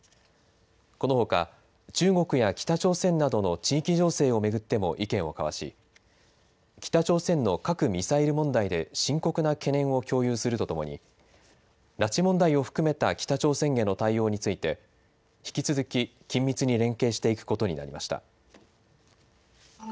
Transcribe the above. このほか、中国や北朝鮮などの地域情勢を巡っても意見を交わし、北朝鮮の核・ミサイル問題で深刻な懸念を共有するとともに、拉致問題を含めた北朝鮮への対応について、引き続き緊密に連携していくことになりました。